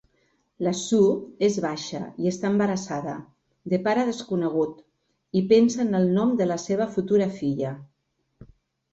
La "Sue és baixa i està embarassada", de pare desconegut, i pensa en el nom de la seva futura filla.